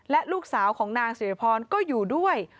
และลูกสาวของนางสิริพรก็อยู่ด้วย